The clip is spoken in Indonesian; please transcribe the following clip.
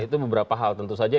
itu beberapa hal tentu saja